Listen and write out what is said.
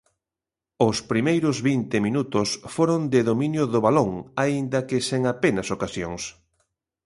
Os primeiros vinte minutos foron de dominio do balón, aínda que sen apenas ocasións.